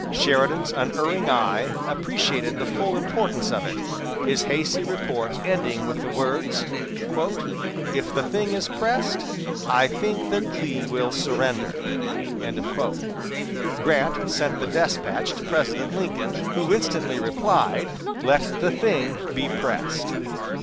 Sheridan's unerring eye appreciated the full importance of it, his hasty report ending with the words: "If the thing is pressed, I think that Lee will surrender." Grant sent the despatch to President Lincoln, who instantly replied: "Let the thing be pressed."